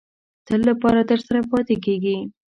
د تل لپاره درسره پاتې کېږي.